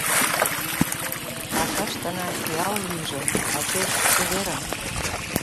Пашаштына пиал лийже, тачеш чеверын!